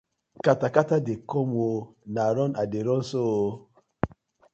Katakata dey com ooo, na run I dey so ooo.